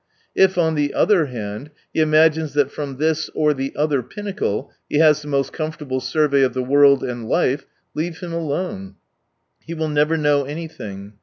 If, on the other hand, he imagines that from this or the other pinnacle he has the most comfortable survey of the world and life, leave him alone ; he will never know anything.